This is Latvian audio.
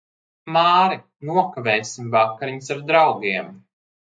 Māri, nokavēsim vakariņas ar draugiem.